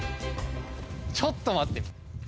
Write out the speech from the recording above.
ちょっと待って。